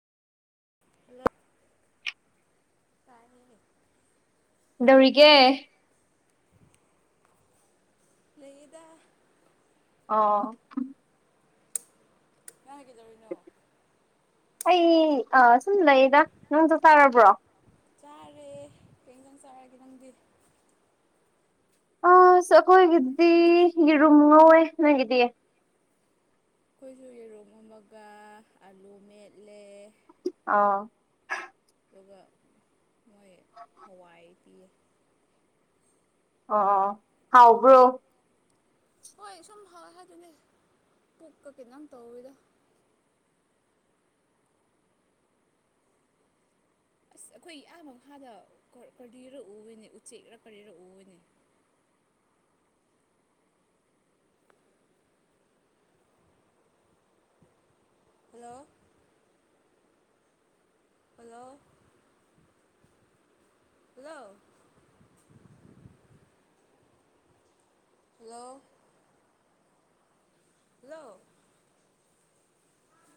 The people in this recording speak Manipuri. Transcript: ꯍꯂꯣ ꯀ ꯗꯧꯔꯤꯒꯦ ꯂꯩꯗ ꯑꯣ ꯀꯥꯏꯒꯗꯧꯔꯤꯅꯣ ꯑꯩ ꯁꯨꯝ ꯂꯩꯌꯦꯗ ꯅꯪ ꯆꯠ ꯆꯥꯔꯕ꯭ꯔꯣ ꯆꯥꯔꯦ ꯀꯩꯇꯪ ꯆꯥꯔꯒꯦ ꯅꯪꯗꯤ ꯑ ꯑꯩꯈꯣꯏꯒꯤꯗꯤ ꯌꯦꯔꯨꯝ ꯉꯧꯋꯦ ꯅꯣꯏꯒꯤꯗꯤ ꯑꯩꯈꯣꯏꯁꯨ ꯌꯦꯔꯣꯡ ꯑꯃꯃꯒ ꯑꯥꯂꯨ ꯃꯦꯠꯂꯦ ꯑ ꯑꯗꯨꯒ ꯃꯣꯏ ꯍꯋꯥꯏꯗꯤ ꯑꯣ ꯍꯥꯎꯕ꯭ꯔꯣ ꯍꯣꯏ ꯁꯨꯝ ꯍꯥꯎ ꯍꯥꯏꯗꯨꯅꯦ ꯄꯨꯣꯛꯀ ꯈꯤꯇꯪ ꯇꯧꯋꯤꯗꯣ ꯑꯁ ꯑꯩꯈꯣꯏ ꯏꯌꯥꯝꯥꯕꯥꯗ ꯀꯔꯤꯔ ꯎꯅꯦ ꯎꯆꯦꯛꯔ ꯀꯔꯤꯔ ꯎꯅꯦ hello hello hello hello hello